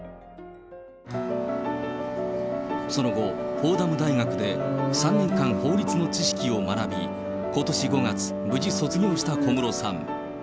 その後、フォーダム大学で３年間、法律の知識を学び、ことし５月、無事卒業した小室さん。